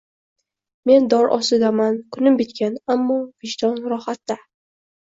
Men dor ostidaman, kunim bitgan, ammo vijdon rohatda!